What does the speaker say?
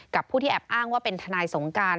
ผู้ที่แอบอ้างว่าเป็นทนายสงการ